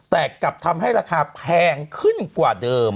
แต่กลับทำให้ราคาแพงขึ้นกว่าเดิม